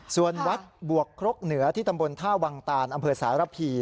ส่วนวัดบวกครกเหนือที่ตำบลท่าวังตานอำเภอสารพี